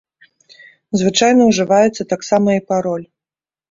Звычайна ўжываецца таксама і пароль.